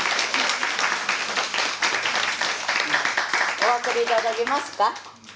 お分かり頂けますか？